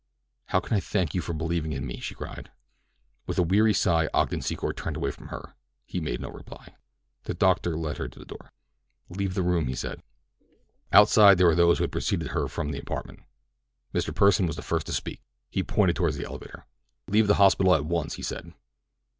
"How can I thank you for believing in me?" she cried. With a weary sigh Ogden Secor turned away from her—he made no reply. The doctor led her to the door. "Leave the room," he said. Outside were those who had preceded her from the apartment. Mr. Pursen was the first to speak. He pointed toward the elevator. "Leave the hospital at once," he said.